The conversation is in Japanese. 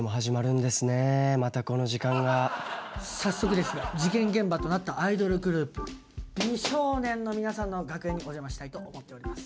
早速ですが事件現場となったアイドルグループ美少年の皆さんの楽屋にお邪魔したいと思っております。